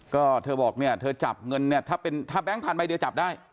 ก็เธอบอกเนี่ยเธอจับเงินเนี่ยถ้าแก๊งพันใบเดียวจับได้